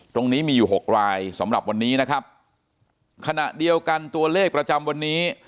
ตรงนี้มีอยู่หกรายสำหรับวันนี้นะครับขณะเดียวกันตัวเลขประจำวันนี้